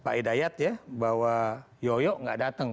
pak hidayat ya bahwa yoyo nggak datang